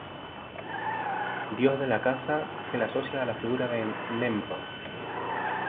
Dios de la caza, se le asocia a la figura de Nemrod.